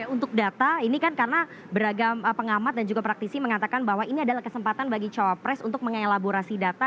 untuk data ini kan karena beragam pengamat dan juga praktisi mengatakan bahwa ini adalah kesempatan bagi cawapres untuk mengelaborasi data